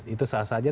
itu salah saja